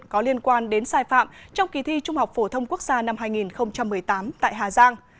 có liên quan đến sai phạm trong kỳ thi trung học phổ thông quốc gia năm hai nghìn một mươi tám tại hà giang